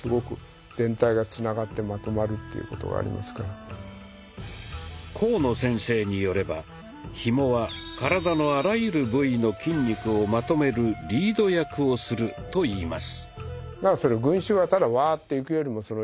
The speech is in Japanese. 自由になる甲野先生によればひもは体のあらゆる部位の筋肉をまとめるリード役をするといいます。